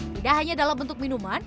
tidak hanya dalam bentuk minuman